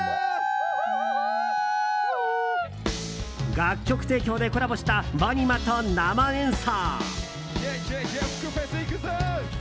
楽曲提供でコラボしたＷＡＮＩＭＡと生演奏。